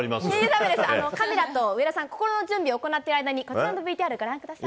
だめです、カメラと上田さん、心の準備行っている間に、こちらのＶＴＲご覧ください。